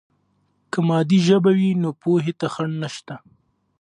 که مادي ژبه وي، نو پوهې ته خنډ نشته.